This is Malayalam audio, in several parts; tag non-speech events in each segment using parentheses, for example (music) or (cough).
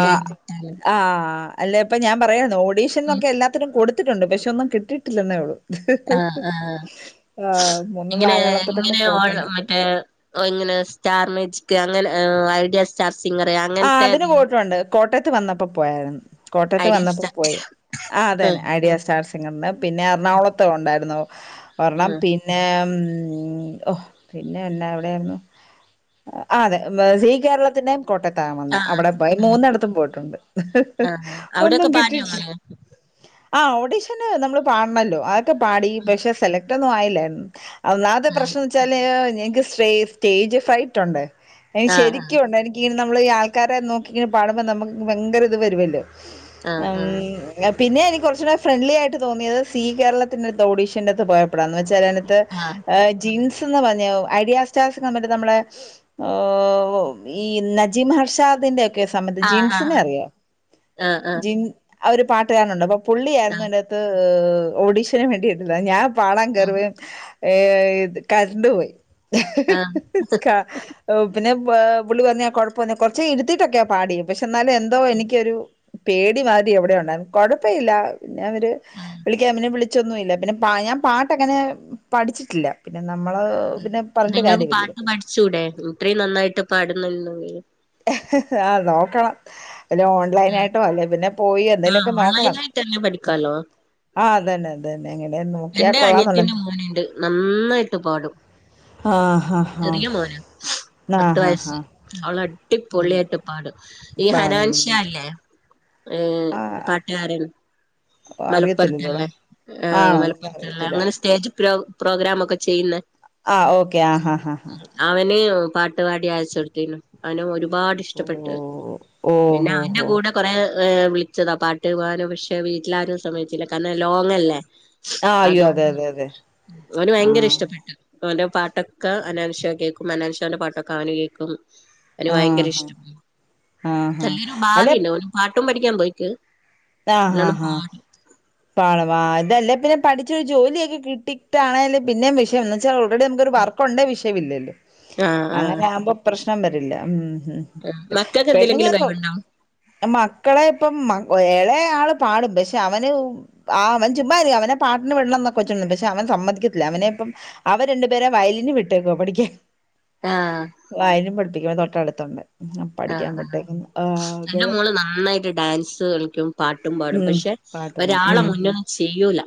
ആ ആ അല്ല ഇപ്പ ഞാൻ പറയുന്നു. ഓഡീഷൻ ന്നൊക്കെ എല്ലാത്തിനും കൊടുത്തിട്ടുണ്ട്. പക്ഷെ ഒന്നും കിട്ടില്ലെന്നേ ഒള്ളു. ആഹ് ആഹ് ആ മൂന്ന് നാലാളത്തിട്ടൊക്കെ പോയ (unintelligible) ഏഹ് അങ്ങനെ സ്റ്റാർ മ്യാജിക് അങ്ങനെ ഐഡിയ സ്റ്റാർ സിംഗർ ആ അങ്ങനത്തെ അതിന് പോയിട്ടുണ്ട്. കോട്ടയത്ത് വന്നപ്പോ പോയായിരുന്നു. കോട്ടയത്ത് ഐഡിയ വന്നപ്പം സ്റ്റാർ പോയി. ആ അതെ തന്നെ ആഹ് ഐഡിയ സ്റ്റാർ പിന്നെ എറണാകുളത്ത ഉണ്ടായിരുന്നു. ഒരെണം ആഹ് പി പിന്നെ ഉം ഓ പിന്നെ എന്ന എവിടെ ആരുന്നു. അതെ മെസീ കേരളത്തിന്റെയും കോട്ടത്ത് ത്താവെന്നെ അവിടെ ആഹ് പോയി മൂന്നെടുത്തും പോയിട്ടുണ്ട്. ആഹ് ആഹ് ഒന്നും അവിടെയൊക്കെ പാടിയോ കിട്ടിയിട്ടില്ല. ഇങ്ങള് ആഹ് ഓഡീഷന് നമ്മള് പാടണല്ലോ അതൊക്കെ പാടി പക്ഷെ സെലക്ട് ഒന്നും ആയില്ല ഒന്നാത് ആഹ് പ്രശ്നന്ന് വെച്ചാല് എനിക്ക് സ്റ്റേ സ്റ്റേജ് ഫ്രൈറ്റൊണ്ട് എനിക്ക് ശരിക്കും ഒണ്ട് എനി നമ്മള് ഈ ആൾക്കാരെ നോക്കിങ്ങനെ പാടുമ്പ നമുക്ക് ഭയങ്കര ഇത് വരുവല്ലോ ആഹ് ആം ആഹ് ആഹ് പിന്നേം എനിക്ക് കൊറച്ചൂട ഫ്രണ്ട്ലി ആയിട്ട് തോന്നിയത് സീ കേരളത്തിന്റാത്ത ഓഡീഷന്റാത്ത് പോയപ്പളാ എന്നാ വെച്ചാലാണ് ആഹ് ജിൻസ് ത്തിന്ന പനിയാവും ഐഡിയ സ്റ്റാർ സിങ്ങർ ഉണ്ടല്ലോ നമ്മളെ ഓഹ് ഈ ന്നത്ത് ജിം ഹർഷാദിന്റെ ഒക്കെ സമത്ത് ആഹ് ആഹ് ആഹ് ജിൻസിനെ അറിയോ ആഹ് ആഹ് ജിൻ ആ ഒരു പാട്ടുകാരനൊണ്ട് അപ്പൊ ആഹ് പുള്ളിയാരുന്നു ആഹ് അയ്ന്റാത്ത് ഓഡീഷന് വേണ്ടിയിട്ടത് ഞാ പാടാൻ കേറുവേം ഏഹ്‌ ഇത് കരണ്ട് പോയി ആഹ് ക ഓഹ് പിന്നെ പ പുള്ളി പറഞ്ഞ് കൊഴപ്പന്നെ കൊറച്ച് ഇരുത്തീട്ടൊക്കെയാ പാടിയെ പക്ഷെ എന്നാലും എന്തോ എനിക്കൊരു പേടി മാരി എവിടെ ഒണ്ടാരുന്ന് കൊഴപ്പയില്ല പിന്നെ അവര് ആഹ് വിളിക്കാൻ പിന്നെ വിളിച്ചൊന്നുയില്ല പിന്നെ പാ ഞാൻ പാട്ടങ്ങനെ മ്മ് പഠിച്ചിട്ടില്ല പിന്നെ നമ്മള് പിന്നെ പറഞ്ഞിട്ട് കാര്യമില്ലല്ലോ പിന്നെ ച്ചൂടേ ഇത്രേം നന്നായിട്ട് പാടുന്നുണ്ടെങ്കില് ആഹ്‌ നോക്കണം വല്ല ഓൺലൈനായിട്ടോ അല്ലേ പിന്നെ പോയി ആഹ് എന്തേലൊക്കെ നോക്കണം ഓൺലൈനായിട്ട് തന്നെ പഠിക്കാലോ ആഹ്‌ അതന്നെ അതന്നെ അങ്ങനെ നോക്കിയാ എന്റെ കൊള്ളാന്നൊള്ള അനിയത്തിന്റെ മോനുണ്ട് നന്നായിട്ട് പാടും ആഹ്‌ ഹാഹ് ചെറിയ മോനാ പത്ത് വയസ് അവള് അടിപൊളിയായിട്ട് പാടും ഈ പഴം ഹനാൻഷാ ഇല്ലേ ഏഹ്‌ ആ പാട്ടുകാരൻ അറിയത്തില്ലല്ലോടാ മലപ്പൊറത്തുള്ളേ ആഹ് ആണോ മലപ്പൊറത്തുള്ളേ എനിക്കറിയത്തില്ല അങ്ങനെ സ്റ്റേജ് പ്രോ പ്രോഗ്രാം ഒക്കെ ചെയ്യുന്നെ ആഹ്‌ ഓക്കെ ആഹ്‌ ഹാഹ് അവന് ഉം പാട്ട്പാടി അയച്ച് കൊടുത്തേനു അവന് ഒരുപാട് ഓ ഇഷ്ടപ്പെട്ട് ഓ പിന്നെ ഹോ അവന്റെ ഹോ കൂടെ കൊറേ വിളിച്ചതാ പാട്ട് പോവാനും പക്ഷെ വീട്ടിലാരും സമ്മയിച്ചില്ല കാരണം ലോങ്ങല്ലേ ആ അയ്യോ അതെ അതോണ്ട അതെ അതെ ഓന് ആ ഭയങ്കര ഇഷ്ടപ്പെട്ട് അവന്റ പാട്ടൊക്ക ഹനാൻഷ കേക്കും ഹനാൻഷാന്റ പാട്ടൊക്ക അവന് കേക്കും അവന് ആ ഭയങ്കര ഹാ ഇഷ്ടപ്പെട്ട് ആ ഹാ നല്ലൊരു അല്ല ഭാവിയിണ്ട് ഓനും പാട്ടും പഠിക്കാൻ പോയിക്ക് ആഹ്‌ ഹാ നല്ലോണം ഹാ പാടും പാടും ആഹ് ഇതല്ലേ തന്നെ പഠിച്ചൊരു ജോലിയൊക്കെ കിട്ടിട്ടാണേല് പിന്നേം വിഷയം എന്ന് വെച്ചാ എവിടേം നമുക്കൊരു വർക്കൊണ്ടേ വിഷയമില്ലല്ലോ ആഹ് ആഹ് അങ്ങനെ ആവുമ്പോ പ്രശ്നം വരില്ല ഉം മ്മ് ഉം മക്കക്ക് എന്തിലെങ്കിലും കഴിവുണ്ടോ? ആ മക്കള് ഇപ്പം മ ഏളയാള് പാടും പക്ഷെ അവന് ആഹ്‌ അവൻ ചുമ്മായിരിക്ക അവനെ പാട്ടിന് വിടണംന്നൊക്കെ വച്ചോണ്ടിരുന്നയ പക്ഷെ അവൻ സമ്മതിക്കത്തില്ല അവനെ ഇപ്പം അവ രണ്ടുപേരെ വയലിന് വിട്ടേക്കുവാ പഠിക്കാൻ ആഹ്‌ വയലിൻ പഠിപ്പിക്കും തൊട്ടടുത്തൊണ്ട് ഉം ആഹ് പഠിക്കാൻ ആഹ് വിട്ടേക്ക്ന്ന് ആ എന്റെ അങ്ങനെ മോള് നന്നായിട്ട് ഡാൻസ് ഉം പാട്ട് (unintelligible) ആള മുന്നൊന്നും ചെയ്യൂല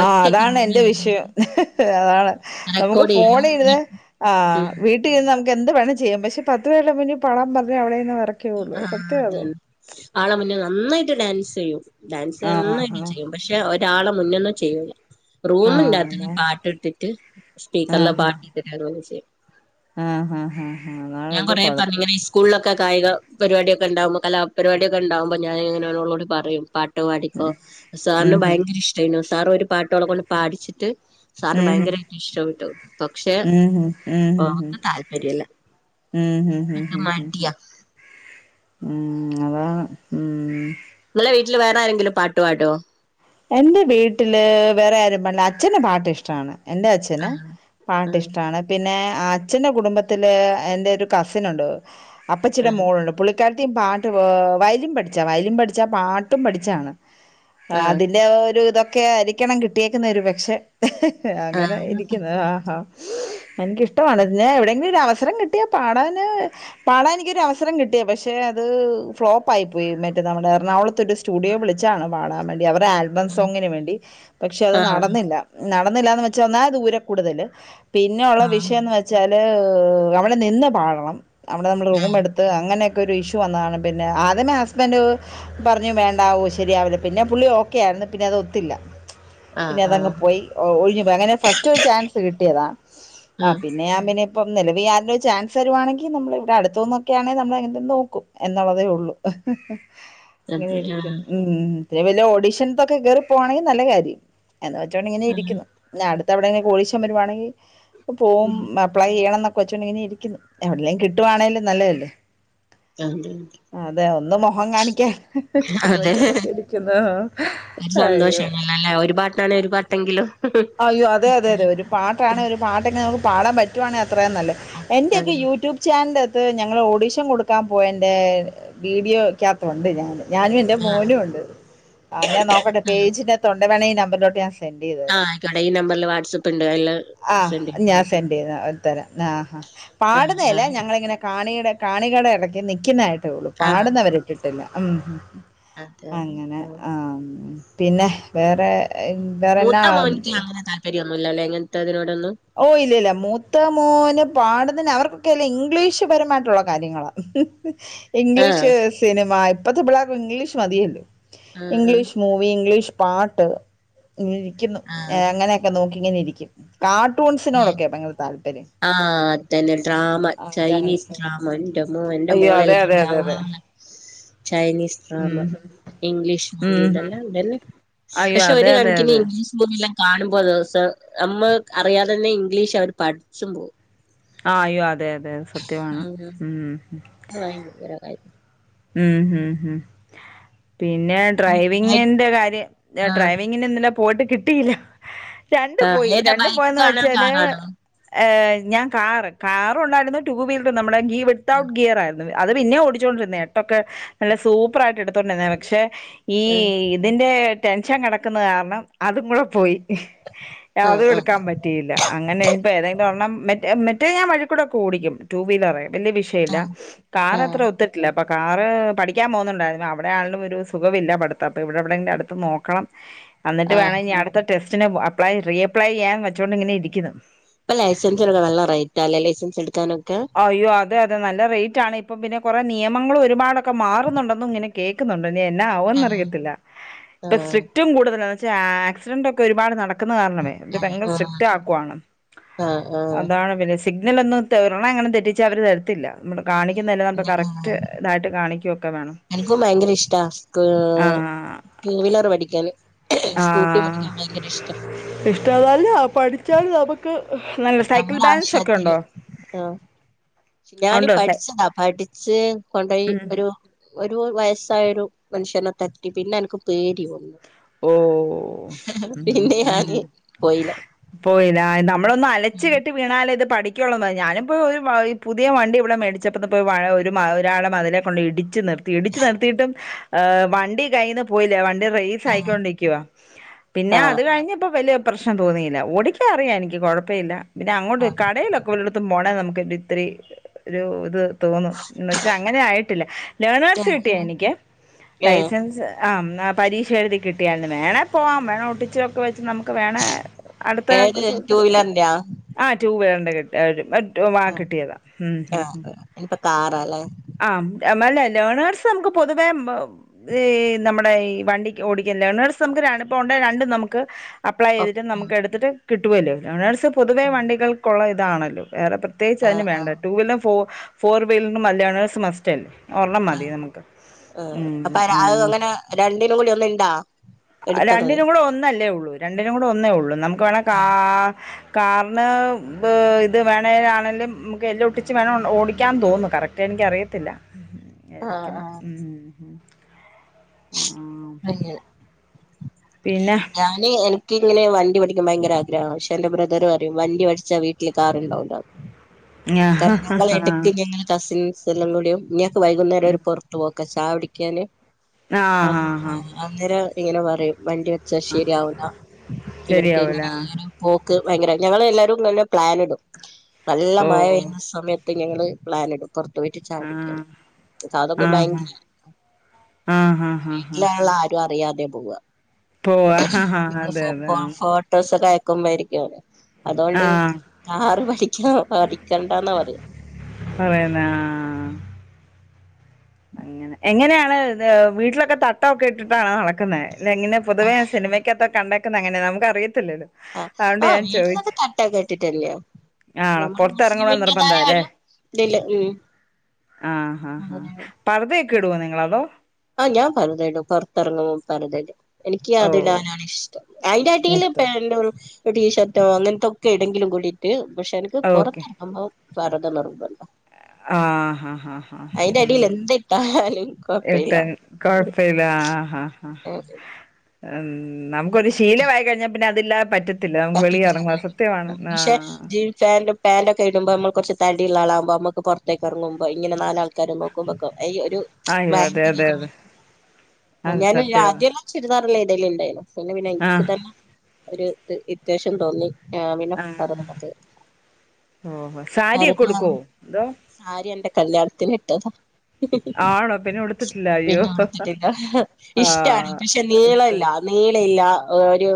ആഹ്‌ ഒറ്റക്ക് അതാണ് റൂമിൽ എന്റെ വിഷയം ഇരുന്നിട്ട് അതാണ് നമുക്ക് റെക്കോർഡ് ചെയ്യും ഫോണിയിരുന്ന് ആഹ്‌ ഉം വീ ട്ടിയിന്ന് നമുക്ക് എന്ത് വേണേ ചെയ്യാം പക്ഷേ പത്ത് പേരുടെ മുന്നി പാടാൻ പറഞ്ഞ അവിടെയിരുന്ന് വെറക്കേ ഒള്ളൂ സത്യാ അത് ആള മുന്നിൽ നന്നായിട്ട് ഡാൻസ് ചെയ്യും ഡാൻസ് നന്നായിട്ട് ആഹ് ചെയ്യും പക്ഷേ ഒരാള മുന്ന്ന്നും ചെയ്യൂല ആഹ് ആഹ് റൂമിന്റാത്ത്ന്ന് അതാ പാട്ട് ഇട്ടിറ്റ് സ്പീക്കറിലാ ആഹ് പാട്ട് ഇട്ടിട്ട് ഓരോന്ന് ചെയ്യും ആഹ് ആഹ് ആഹ് അതാണ് ഞാൻ ഒരു കൊറേ കൊഴപ്പം പറഞ്ഞിങ്ങനെ ശ് കൂളിലൊക്ക കായിക പരിപാടിയൊക്ക ഇണ്ടാവുമ്പോ കലാപരിപാടിയൊക്ക ഇണ്ടാവുമ്പോ ഞാനിങ്ങനെ ഓളോട് പറയും പാ ട്ട് പാടിക്കോ ഉം ഉം സാറിന് ഹും ഭയങ്കര ഇഷ്ട്ടേയിനു സാർ ഒരു പാട്ട് ഓളെ കൊണ്ട് പാടിച്ചിട്ട് സാറിന് ഭയങ്കരായിട്ട് ഇഷ്ട്ടപ്പെട്ടു പക്ഷെ ഉം ഹും ഹും ഓക്ക് താല്പര്യല്ലാ ഉം ഉം ഉം ഉം അതാണ് ഉം ഇങ്ങളെ വീട്ടില് വേറെ ആരെങ്കിലും പാട്ട് പാടുവോ എന്റെ വീട്ടില് വേറെ ആരും പാടില്ലാ അച്ഛന് പാട്ട് ഇഷ്ട്ടാണ്. എന്റെ അച്ഛന് ആഹ് പാട്ട് ആഹ് ഇഷ്ട്ടാണ്. പിന്നെ അച്ഛന്റെ കുടുംബത്തില് എന്റെ ഒരു കസിനൊണ്ട് അപ്പച്ചീടെ ആഹ് മോളുണ്ട് പുള്ളി ക്കാരത്തി പാട്ട് ഏഹ് വയലിൻ പഠിച്ചയാ വയലിൻ പഠിച്ചാ പാട്ടും പഠിച്ചയാണ് ഏഹ് ആഹ് അതിൽ ഒരു ഇതൊക്കെ ആയിരിക്കണം കിട്ടിയേക്കുന്നെ ഒരു പക്ഷെ അങ്ങനെ ആഹ് ഇരിക്കുന്നു ആഹ് ആഹ് എനിക്കിഷ്ട്ടവാണ് പിന്നെ എവിടെയെങ്കിലും ഒരു അവസരം കിട്ടിയാ പാടാന് പാടാൻ എനിക്കൊരു അവസരം കിട്ടിയാ പക്ഷെ അത് ഫ്ലോപ്പായി പോയി മറ്റേ നമ്മടെ എറണാകുളത്തൊരു സ് സ്റ്റുഡിയോ വിളിച്ചാണ് പാടാൻ വേണ്ടി അവരെ ആൽ നാടൻ ആഹ് സോങ്ങിന് വേണ്ടി പക്ഷെ അത് ആഹ് നടന്നില്ലാ നടന്നില്ലാന്ന് വെച്ചാ ഒന്നാമത് ദൂരെ കൂടുതല് പിന്നെയൊള്ള ആഹ് വിഷയെന്ന് വെച്ചാല് അവിടെനിന്ന് പാടണം അവിടെ നമ്മള് റൂം എടുത് ത്ത് അങ്ങനെയൊക്കെ ഒരു ഇഷ്യൂ വന്നതാണ് പിന്നെ ആദ്യമേ ഹസ്ബൻഡ് പറഞ്ഞു വേണ്ടാവൂ ശരിയാവില്ല പിന്നെ പുള്ളി ഓക്കെ ആയിരുന്നു പിന്നെ അത് ഒത്തില്ലാ. ആഹ് പിന്നെ ആഹ് അതങ്ങ് ആഹ് പോയി ഒഴിഞ്ഞു പോയി അങ്ങനെ ഫസ്റ്റ് ഒരു ചാൻസ് കിട്ടിയതാ ആഹ് പിന്നെ ഞാൻ പിന്നെ ഇപ്പം നെലവി ആരേലും ഒരു ചാൻസ് തരുവാണെങ്കിൽ നമ്മള് ഇവിടെ അടുത്തൂന്നൊക്കെയാണെങ്കി നമ്മളെങ്ങനേലും നോക്കും. എന്നുള്ളതേ ഒള്ളൂ ഇങ്ങനെ അതെ ആഹ് ഇരിക്കുന്നു ഉം ഉം പിന്നെ വല്ല ഓഡീഷനോക്കെ കേറി പോവാണെങ്കി നല്ല കാര്യം. എന്ന് വെച്ചോണ്ട് ഇങ്ങനെ ആഹ് ഇരിക്കുന്നു പിന്നെ അടുത്ത് എവിടെങ്കിലും ഓഡിഷൻ വരുവാണെങ്കിൽ പോവും (unintelligible) അപ്ലൈ ചെയ്യണം എന്നൊക്കെ വെച്ചോണ്ടിങ്ങനെ ഇരിക്കുന്ന് എവിടേലും കിട്ടുവാണേലും നല്ലതല്ലേ. അതെ അതെ ഒന്ന് മൊഹം കാണിക്കാ എന്ന് അതെ വെച്ചോണ്ടൊക്കെ ഇരിക്കുന്നു. ഒരു അയ്യോ സന്തോഷാണല്ലോല്ലേ ഒരു പാട്ടാണെ ഒരു പാട്ടെങ്കിലും അയ്യോ അതെ അതെ അതെ ഒരു പാട്ടാണെ ഒരു പാട്ടെങ്ങെ നമുക്ക് പാടാൻ പറ്റുവാണേ അത്രയും നല്ലത് അതെ എന്റെയൊക്കെ യൂട്യൂബ് ച്ചാൻ്റെത്ത് ഞങ്ങൾ ഓഡീഷൻ കൊടുക്കാൻ പോയെന്റെ വീഡിയോക്കാത്ത് ഒണ്ട് ഞാന് ഞാനും എൻ്റെ ആഹ് മോനും ഒണ്ട് ആഹ് ഞാൻ നോക്കട്ടെ ആഹ് പേജിനാത്തൊണ്ടെ വേണെ ഈ നമ്പറിലോട്ട് ഞാൻ സെൻ് ചെയ്ത് തരാം ക്കാടെ ഈ നമ്പറിൽ വാട്സ്ആപ്പ് ഇണ്ട് അയില് ആഹ് ഞാൻ സെൻറ് (unintelligible) ചെയ്ത് തരാം ആഹ് ആഹ് ആഹ് പാടുന്നെയല്ലാ ആഹ് ഞങ്ങളിങ്ങനെ കാണീടെ കാണികടെ എടക്ക്‌ നിക്കുന്നതായിട്ടേ ഉള്ളൂ ആഹ് പാടുന്നെ അവര് ഇട്ടിട്ടില്ലാ ഉം അതെ അതെ അങ്ങനെ ആഹ് പിന്നെ വേറെ വേറെന്നാ (unintelligible) ഒന്നുല്ലാല്ലേ ഇങ്ങനത്തെ ഇതിനോടൊന്നും. ഓഹ് ഇല്ല ഇല്ല മൂത്ത മോന് പാടുന്നേന് അവർക്കൊക്കെല്ല ഇംഗ്ലീഷ് പരമായിട്ടുള്ള കാര്യങ്ങളാ ആഹ് ഇംഗ്ലീഷ് സിനിമാ ഇപ്പത്തെ പിള്ളേർക്ക്‌ ഇംഗ്ലീഷ് മതിയല്ലോ ആഹ് ആഹ് ഇംഗ്ലീഷ് മൂ ഇപ്പ ഇംഗ്ലീഷ് പാട്ട് ഇങ്ങനെയിരിക്കുന്നു ആഹ് അങ്ങനെയൊക്കെ നോക്കി ഇങ്ങനെ ഇരിക്കും കാ ടൂൺസിനോടൊക്കെയാ ഭയങ്കര താല്പര്യം ആഹ് അതന്നെ ഡ്രാമ അതാണ് ചൈനീസ് ഡ്രാമ എന്റെമ്മോ എൻ്റെ അയ്യോ അതെ മോളെല്ലം അതെ അയിൻ്റെ അതെ അതെ ആളാ ചൈനീസ് ഉം ആ‍ന്ന ഇംഗ്ലീഷ് മൂവി ഉം ഉം. ഇതെല്ലാം എന്തല്ലെ അയ്യോ പക്ഷെ ഒരു അതെ അതെ കണക്കിന് അതെ ഇംഗ്ലീഷ് മൂവിയെല്ലാം കാണുമ്പോ ദിവസം നമ്മ അറിയാതെ തന്നെ ഇംഗ്ലീഷ് അവര് പഠിച്ചും പോകും. ആഹ് അയ്യോ അതെ അതെ സത്യമാണ് ഉം ഭയങ്കരവായി ഉം ഉം ഉം പിന്നെ പിന്നെ ഡ്രൈവിങ്ങിന്റെ കാര്യം ഞാൻ ആഹ് ഡ്രൈവിങ്ങിന് ഇന്നലെ പോയിട്ട് കിട്ടിയില്ല. രണ്ടു ആഹ് പോയി ഏതാ രണ്ടും പോയെന്ന് ബൈക്കാണോ വെച്ചാല് കാറാണോ ഏഹ് ഞാൻ കാറ് കാർ ഉണ്ടായിരുന്നു ടു വീലർ നമ്മുടെ ഗി വിത്തൗട്ട് ഗിയർ ആയിരുന്നു. അത് പിന്നെ ഓടിച്ചോണ്ടിരുന്നെയ എട്ടൊക്കെ നല്ല സൂപ്പറായിട്ട് എടുത്തോണ്ടിരുന്നാ പക്ഷെ ഈ ആഹ് ഇതിൻ്റെ ടെൻഷൻ കിടക്കുന്ന കാരണം അതും കൂടെ പോയി ആഹ് അതും ആഹ് എടുക്കാൻ പ പറ്റയില്ല അങ്ങനെ ഇപ്പ ഏതെങ്കിലൊരെണ്ണം മറ്റേ മറ്റേ ഞാൻ വഴി കൂടൊക്കെ ഓടിക്കും ടു വീലറെ വലിയ വിഷ യല്ല ആഹ് കാറ ആഹ് അത്ര ഒത്തിട്ടില്ല അപ്പോ കാറ് പഠിക്കാൻ പോകുന്നുണ്ടായിരുന്നു അവിടാണെങ്കിലും ഒരുസുഖമില്ല പഠിത്തം അപ്പം ഇവിടെ എവിടേലും അടുത്ത് നോക്കണം (inaudible) അന്നിട്ട് വേണം ഇനി അടുത്ത ടെസ്റ്റിന് അപ്ലൈ റീ അപ്ലൈ ചെയ്യാൻ വെച്ചോണ്ട് ഇങ്ങനെ ഇരിക്കുന്നു ഇപ്പ ലൈസൻസൊക്കെ എടുക്കാൻ നല്ല റേറ്റാല്ലേ ലൈസൻസ് ഇട്ക്കാനൊക്കെ അയ്യോ അതെ അതെ നല്ല റേറ്റാണ് ഇപ്പം പിന്നെ കൊറേ നിയമങ്ങളും ഒരുപാടൊക്കെ മാറുന്നുണ്ടെന്നും ഇങ്ങനെ കേക്കുന്നുണ്ട് ഇനി എന്നാ ആവുംന്ന് ആഹ് അറിയത്തില്ല ഇപ്പൊ ആഹ് സ്ട്രിക്റ്റും കൂടുതല പക്ഷേ ആക്സിഡന്റ് ഒക്കെ ഒരുപാട് നട ക്കുന്ന കാരണമേ അവര് ഭയങ്കര ആഹ് സ്ട്രിക്ട് ആക്കുവാണ് ആഹ് ആഹ് അതാണ് പിന്നെ സ് സിഗ്നലൊന്നും (unintelligible) അങ്ങനെ തെറ്റിച്ച് അവര് തരത്തില്ല നമ്മള് കാണിക്കുന്നതെ കറക്റ്റ് ഇതായിട്ട് കാണിക്കൊക്കെ വേണം എനിക്കും ഭയങ്കര ഇഷ്ടാ ഏഹ് ആഹ് ടൂ വീലർ പഠിക്കാന് സ്കൂട്ടി ആഹ് പഠിക്കാൻ ഭയങ്കര ഇഷ്ടം ഇഷ്ടം നല്ല പഠിച്ചാല് നമ്മ ക്ക് നല്ല സൈക്കിൾ നമ്മുടെ ബാലൻസൊക്കെ ആവശ്യത്തിന് ഉണ്ടോ ആഹ് ഞാന് ഉണ്ടോ സൈ പഠിച്ചതാ പഠിച്ച് കൊണ്ടോയി ഒരു ഒരു വയസായ ഒരു മനുഷ്യനെ തട്ടി പിന്നെ എനിക്ക് പേടി വന്നു ഓഹ് ഉം പിന്നെ ഉം ഞാന് പോയില്ല പോയില്ല നമ്മള് ഒന്ന് അലച്ച് കെട്ടി വീണാലെ ഇത് പഠിക്കൊള്ളുന്ന ഞാനിപ്പോ പുതിയ വണ്ടി ഇവിടെ മേടിച്ചിട്ട് ഒരാളെ മതിലേൽ കൊണ്ടോയി ഇടിച്ച് നിർത്തി ഇടിച്ച് നിർത്തിയിട്ടും വണ്ടി കയ്യീന്ന് പോയില്ല വണ്ടി റൈ ആഹ് സായിക്കൊണ്ടിരിക്കുവ പിന്നെ അത് കഴിഞ്ഞ്പ്പ വലിയ പ്രശ്നം തോന്നിയില്ല ഓടിക്കാൻ അറിയാം എനിക്ക് കൊഴപ്പമില്ല പിന്നെ അങ്ങോട്ട് ആഹ് കടയിലൊ ക്കെല്ലോട്ത്തും പോണേ നമുക്ക് ഇത്തിരി ഒരു ഇത് തോന്നും എന്ന് വച്ചാൽ അങ്ങനെ ആയിട്ടില്ല ലേണേഴ്സ് കിട്ടിയെനിക്ക് ഏഹ് ലൈസൻസ് ആഹ് ആഹ് പരീ ക്ഷ എഴുതി കിട്ടിയായിരുന്നു വേണെ പോവാം വേണെ ഒട്ടിച്ചൊക്കെ വെച്ച് നമു ക്ക് വേണെ അട്ത്തെ ഏത് ടു സുഹൃത്തേ വീലറിന്റെയാ ആ ടു വീലർന്റെ കി ട്ട്യാ ഒരു മറ്റ് ആ ആഹ് കിട്ടിയതാ ഉം ഉം ഉം ആഹ് ഇനിപ്പ കാറാല്ലേ ആഹ് ഉം അല്ല ലേണേഴസ് നമുക്ക് പൊതുവേ ഈ നമ്മുടെ ഈ വണ്ടി ഓടിക്കാം ലേണേഴ്സ് നമുക്ക് ഒരന പോണ്ടാ രണ്ടും നമുക്ക് അപ്ലൈ ആഹ് ചെയ്തിട്ട് നമുക്ക് എടുത്തിട്ട് കിട്ടുവല്ലോ ലേണേഴ്സ് പൊതുവെ വണ്ടികൾക്കുള്ള ഇതാണല്ലോ വേറെ പ്രത് പ്രത്യേകിച്ച് അതിന് ആഹ് വേണ്ട ടു വീലറും ഫോ ഫോർ വീലറും ലേണേഴ്സ് മസ്റ്റ് അല്ലേ ഒർണം മതി ആഹ് നമുക്ക് ആഹ് ഉം അപ്പൊ അത് ഞ അങ്ങനെ രണ്ടിനും കൂടി ഒന്നിണ്ടാ രണ്ടിനും കൂടെ ഒന്നല്ലേ ഉള്ളൂ രണ്ടിനും കൂടെ ഒന്നേ ഉള്ളൂ നമുക്ക് വേണേ കാ ആഹ് കാർന് ബ ഇത് വേണേലാണെലും നമുക്ക് എല് ഒട്ടിച്ച് വേണ ഓടിക്കാൻ തോന്നുന്നു കറക്റ്റ് മറ്റ എനിക്ക് അറിയത്തില്ല (inaudible) ആയിരിക്കുന്നു ആഹ് ഉം ആഹ് അങ്ങനെ പിന്നെ ഞാനെ എനിക്കിങ്ങനെ വണ്ടി പഠിക്കാൻ ഭയങ്കര ആഗ്രഹമാണ് പക്ഷെ എന്റെ ബ്രദറ് പറയും വണ്ടി പഠിച്ചാ വീട്ടില് കാറുണ്ടാവൂല എന്ന് കാരണം ഞങ്ങൾ ഇടയ്ക്ക് ഞങ്ങൾ കസിൻസ് എല്ലാം കൂടിയും ഇങ്ങക്ക് വൈകുന്നേരം ഒര് പുറത്ത് പോക്കാ ചായാകുടിക്കാന് ആ ആ ഹാ ആഹ് ഹാ ആഹ് അന്നേരം ഇങ്ങനെ പറയും വണ്ടി പഠിച്ചാൽ ശരിയാവില്ല ഇവർക്ക് ശരിയാവൂല ഇങ്ങനെ ആ. ഈ ഒരു പോക്ക് ഭയങ്കര ഞങ്ങളെല്ലരും ഇങ്ങനെ പ്ലാൻ ഇടും നല്ല ഓ മഴ പെയ്യണ സമയത്ത് ഞങ്ങള് പ്ലാനിടും പുറത്തു പോയിട്ട് ആ ചായാകുടിക്കാൻ ഇപ്പൊ അതൊക്കെ ഭയങ്കര ആഹ ആഹ ആഹ ആഹ വീട്ടിലുള്ള അറിയാതെ പോവ (inaudible) അതെ അതെ (unintelligible) അതുകൊണ്ട് ആ കാറ് പഠിക്ക രണ്ടാന്നാ പറയാ അതന്നെ ആഹാ അങ്ങനെ എങ്ങനെയാണ് വീട്ടിലൊക്കെ തട്ടംക്കെ ഇട്ടിട്ടാണോ നടക്കുന്നത് ഇല്ല ഇങ്ങനെ പോതുവേ സിനമയ്ക്കകത്തൊക്കെ കണ്ടെക്കുന്ന അങ്ങനെ നമുക്ക് അറിയല്ലോ ആഹ ആഹ് വീട്ടിലൊക്കെ തട്ടാ ഇട്ടിട്ട്ട്ടല്ലേോ ആണോ ഞമ്മൾ പൊറത്തെറങ്ങണോന്ന് മുസ്ലിമിന്റെതായ ഒരു ഇതില്ല ഉ ആഹ ഹഹ് ഹാ പർദ്ദ ഒക്കെ ഇടുവോ നിങ്ങള് അതോ ആഹ ഞാൻ പർദ്ദ ഇടും പുറത്തിറങ്ങുമ്പോൾ പർദ്ദ ഇടും എനിക്ക് ഓഹ്. അതിടാനാണ് ഇഷ്ടം അതിന്റൊട്ടിൽ ഇഷ്ട. പാന്റ് ടീഷർട്ടോ അങ്ങനത്തെക്കെ ഇടും കൂടിയിട്ട് പക്ഷെ ഓക്കെ. പുറത്തിറങ്ങുമ്പോൾ പർദ്ദ നിർബന്ധം ആഹ ആഹ ആഹ ഹ ഹ എന്തിട്ടാലും എ കൊഴപ്പയില്ല കുഴപ്പില്ല ആഹ ആഹ പറ്റത്തില്ല. നമക്ക് ഒരു ശീലമായിയി കഴിഞ്ഞാ പിന്നെ അതില്ലാതെ പറ്റത്തി നമു വെളി ഇറങ്ങും സത്യമാണ് പക്ഷെ ആഹ് ജീൻ പാന്റ് പാന്റൊക്കെ ഇടുമ്പോ നമ്മൾ കുറച് തടിയുള്ള ആൾ ആകുമ്പോൾ നമക്ക് പുറത്തേക്ക് ഇറങ്ങുമ്പോ ഇങ്ങനെ നാലാൾക്കാരും (unintelligible) ഒരു അയ്യോ അതെ ഭയങ്കര അതെ ഒരു അതെ. അത് ഞാന സത്യവാ. ആദ്യ ചുരിദാറാണ് ഇടല് ഉണ്ടായി പിന്നെ പിന്നെ എനിക്ക് ആഹ്. തന്നെ ഒരു ഇറിറ്റേഷൻ തോന്നി ആഹ വില പറ ആഹ് ഓഹോ സാരിയൊക്കെ അറിഞ്ഞോ ഉടുക്കോ അതോ സാരി എന്റെ കല്യാണത്തിന് ഇട്ടതാ ആണോ പിന്നെ ഉടുത്തിട്ടില്ല അയ്യോ പിന്നെ കൊടുത്തിട്ടില്ല ഇഷ്ടമാണ് ആഹ് പക്ഷെ ഇഷ്ട നീളല്ല നീളില്ല ഒരു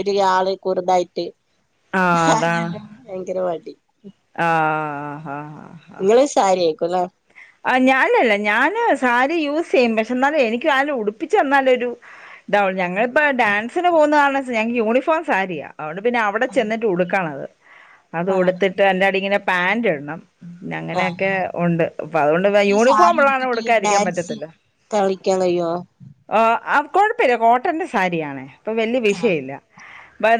ഒരു ആള് കുറുതായിട്ട് ആഹ അതാണ് ഭയങ്കര മടി ആഹഹാ നിങ്ങള് സാരിയയിക്കും അല്ല ആഹ ഞാനല്ല ഞാൻ സാരി യൂസ് ചെയ്യും പക്ഷെ എന്നാലും എനിക്ക് അല് ഉടിപ്പിച്ച് തന്നാലരു ഇത ഞങ്ങള്ൾ ഇപ്പ ആ ഡാൻസിന് പോകുന്ന കാരണ ഞങ്ങൾക്ക് യൂണിഫോം സാരിയ അുകൊണ്ട് പിന്നെ അവിടെ ചെന്നിട്ട് ഉടുക്കണത് അത് ആഹ് ഉടുത്തിട്ട് അതിന്റെ അടി ഇങ്ങനെ പാൻറ് ഇടണം പിന്നെ ആഹ് അങ്ങനെയൊക്കെ ആഹ് ഉണ്ട് അപ്പൊ അതുകൊണ്ട് ഈ സാരി യൂണിഫോം ഉള്ളാണ് ഉടുത്തിട്ട് ഉടുക്കയിരിക്കാൻ ഡാൻസ് പറ്റത്തില്ല കളിക്കളയോ ആഹ് അഹ് കൊഴപ്പല്ല കോട്ടന്റെ സാരിയാണേ ഇപ്പൊ വലിയ വിഷയ ഇല്ല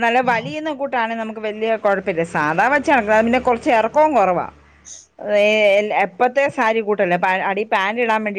നല്ല ആഹ് വലിയുന്ന കൂ ട്ടാണ് നമുക്ക് വലിയ കൊഴപ്പ ഇല്ല സാധാ വെച്ച പിന്നെ കൊർച്ച് എറക്കവും കൊറവാ ഏഹ് എപ്പത്തെ സാരി കൂട്ടല്ലേ അ അടി പാന്റ് ഇടാൻ വേണ്ടി